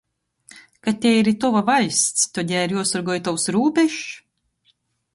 Ka tei ir tova vaļsts, tod jai ir juosorgoj i tovs rūbežs?